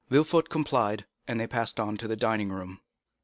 Villefort complied, and they passed on to the dining room.